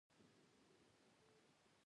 په کار پسې به پاتې کېږې.